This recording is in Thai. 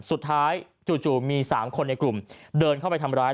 จู่มี๓คนในกลุ่มเดินเข้าไปทำร้าย